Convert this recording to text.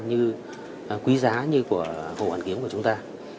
như quý giá như của hồ hoàn kiếm của chúng ta